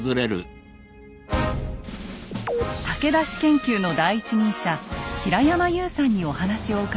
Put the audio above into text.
武田氏研究の第一人者平山優さんにお話を伺いました。